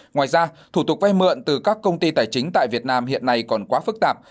ngoài ra thủ tục vay mượn từ các công ty tài chính tại việt nam hiện nay còn quá phức tạp